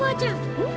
うん？